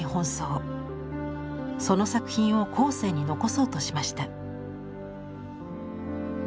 その作品を後世に残そうとしました。